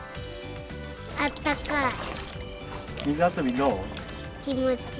あったかい。